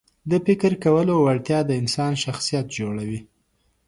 د فکر کولو وړتیا د انسان شخصیت جوړوي.